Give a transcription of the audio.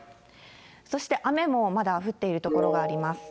そして雨もまだ降っている所があります。